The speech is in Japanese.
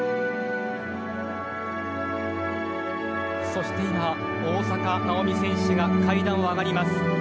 そして今、大坂なおみ選手が階段を上がります。